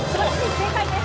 正解です。